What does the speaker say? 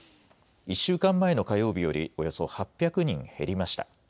１週間前の火曜日よりおよそ８００人減りました。